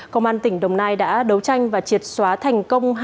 công an tỉnh đồng nai đã đấu tranh và triệt xóa thành công